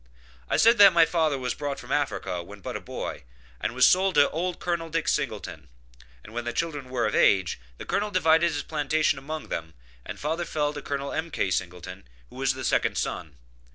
I said that my father was brought from Africa when but a boy, and was sold to old Col. Dick Singleton; and when the children were of age, the Colonel divided his plantations among them, and father fell to Col. M.K. Singleton, who was the second son.